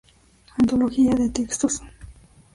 Antología de textos".